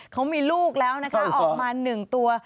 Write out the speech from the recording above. เขามีลูกแล้วนะคะออกมา๑ตัว